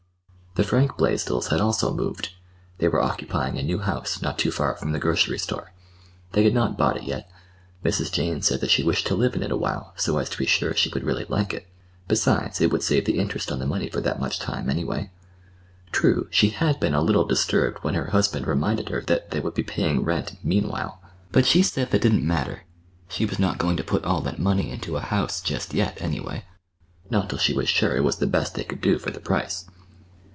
The Frank Blaisdells had also moved. They were occupying a new house not too far from the grocery store. They had not bought it yet. Mrs. Jane said that she wished to live in it awhile, so as to be sure she would really like it. Besides, it would save the interest on the money for that much time, anyway. True, she had been a little disturbed when her husband reminded her that they would be paying rent meanwhile. But she said that didn't matter; she was not going to put all that money into a house just yet, anyway,—not till she was sure it was the best they could do for the price.